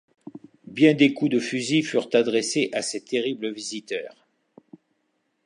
Bien des coups de fusil furent adressés à ces terribles visiteurs.